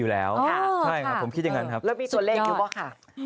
แล้วมีตัวเลขอยู่ป่าคะ